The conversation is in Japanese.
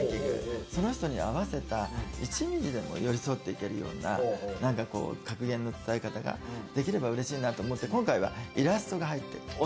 その人に合わせた１ミリでも寄り添っていけるような格言の伝え方ができれば嬉しいなと思って今回はイラストが入っている。